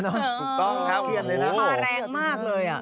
ก็พอเพียบเลยนะน้ำขักแรงมากเลย